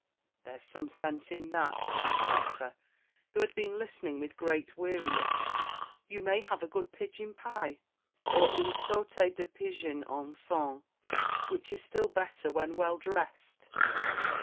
"There's some sense in that," cried the Doctor, who had been listening with great weariness." You may have a good pigeon pie, or un sauté de pigeons au sang, which is still better when well dressed."